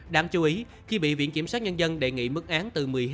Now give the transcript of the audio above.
đáng chú ý khi bị viện kiểm soát nhân dân đề nghị mức án